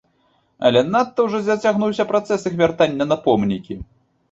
Але надта ўжо зацягнуўся працэс іх вяртання на помнікі.